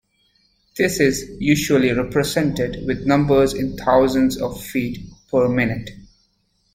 This is usually represented with numbers in thousands of feet per minute.